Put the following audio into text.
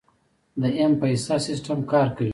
د ایم پیسه سیستم کار کوي؟